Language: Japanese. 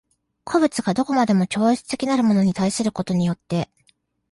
個物が何処までも超越的なるものに対することによって